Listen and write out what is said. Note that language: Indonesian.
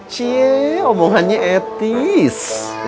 ciee omongannya etis